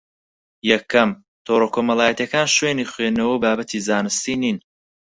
یەکەم: تۆڕە کۆمەڵایەتییەکان شوێنی خوێندنەوە و بابەتی زانستی نین